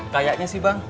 kayaknya sih bang